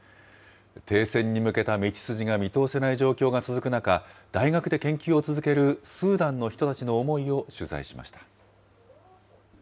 停戦に向けた道筋が見通せない状況が続く中、大学で研究を続けるスーダンの人たちの思いを取材しました。